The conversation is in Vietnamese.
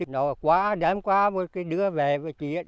nó đám qua đưa về với chị